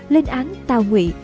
lên án tàu ngụy